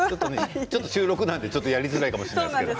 ちょっと収録なんでやりづらいかもしれませんけど。